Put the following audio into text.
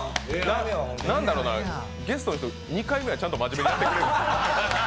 なんだろうな、ゲストの人、２回ぐらいちゃんと真面目にやってくれる。